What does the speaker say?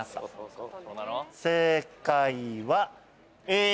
正解は。